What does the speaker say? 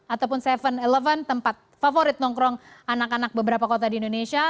ataupun tujuh eleven tempat favorit nongkrong anak anak beberapa kota di indonesia